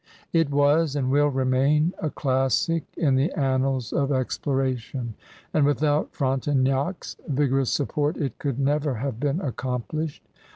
It was and will remain a classic in the annals of exploration. And without Frontenac's vigor ous support it could never have been accomplished.